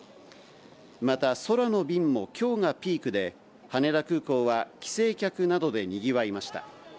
また、空の便もきょうがピークで、羽田空港は帰省客などでにぎわいました。